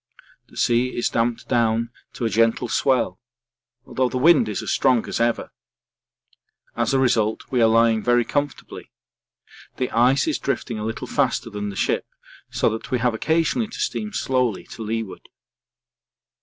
The sea is damped down to a gentle swell, although the wind is as strong as ever. As a result we are lying very comfortably. The ice is drifting a little faster than the ship so that we have occasionally to steam slowly to leeward.